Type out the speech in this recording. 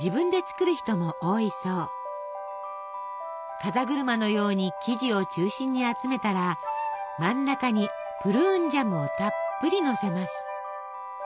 風車のように生地を中心に集めたら真ん中にプルーンジャムをたっぷりのせます。